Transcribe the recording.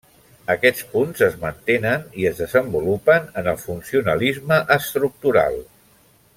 Aquests punts es mantenen i es desenvolupen en el funcionalisme estructural.